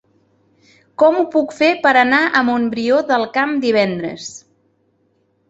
Com ho puc fer per anar a Montbrió del Camp divendres?